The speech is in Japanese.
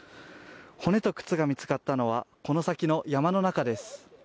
骨と靴が見つかったのはこの先の山の中です